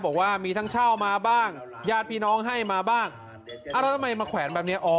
บอกว่ามีทั้งเช่ามาบ้างญาติพี่น้องให้มาบ้างแล้วทำไมมาแขวนแบบเนี้ยอ๋อ